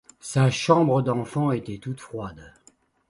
Sa chambre d'enfant était toute froide.